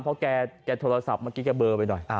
เพราะแกโทรศัพท์เมื่อกี้แกเบอร์ไปหน่อย